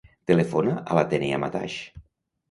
Telefona a l'Atenea Mataix.